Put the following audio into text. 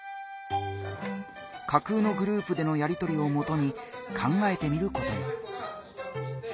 架空のグループでのやりとりをもとに考えてみることに。